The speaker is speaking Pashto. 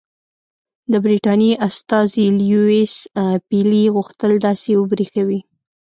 د برټانیې استازي لیویس پیلي غوښتل داسې وبرېښوي.